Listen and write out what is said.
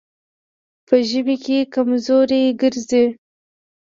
په ژمي کې کمزوری ګرځي.